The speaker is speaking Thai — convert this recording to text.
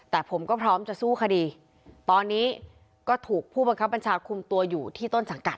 แต่ผมก็พร้อมจะสู้คดีตอนนี้ก็ถูกผู้บังคับบัญชาคุมตัวอยู่ที่ต้นสังกัด